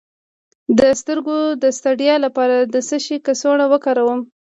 د سترګو د ستړیا لپاره د څه شي کڅوړه وکاروم؟